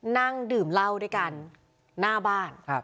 นั่งดื่มเหล้าด้วยกันหน้าบ้าน